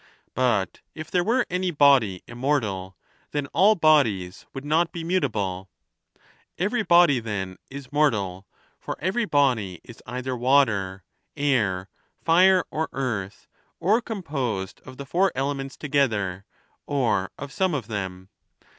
But if there were any body immortal, then all bodies would not be mutable. Every body, then, is mortal; for every body is either water, air, fire, or earth, or composed of the four elements together, or of some of them.